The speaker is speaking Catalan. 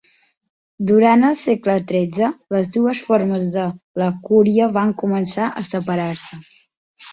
Durant el segle XIII les dues formes de la "cúria" van començar a separar-se.